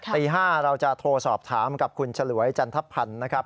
ตี๕เราจะโทรสอบถามกับคุณฉลวยจันทพันธ์นะครับ